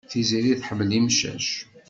Tiziri tḥemmel imcac.